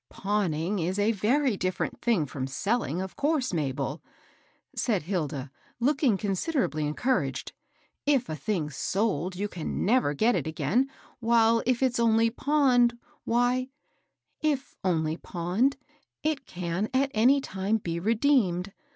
" Pawning is a very different thing from idling^ of course, Mabel," said Hilda, looking consider ably encouraged. "If a thing's sold you can never get it again, while, if it's only pawned, —" If only pawned, it can at any time be redeemed.